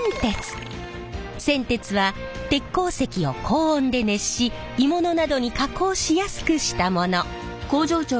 銑鉄は鉄鉱石を高温で熱し鋳物などに加工しやすくしたもの。